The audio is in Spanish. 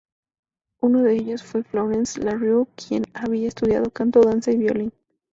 Uno de ellos fue Florence LaRue, quien había estudiado canto, danza y violín.